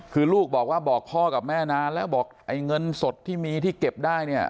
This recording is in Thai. คือลูกบอกว่าบอกพ่อกับแม่นานแล้วบอกไอ้เงินสดที่มีที่เก็บได้เนี่ย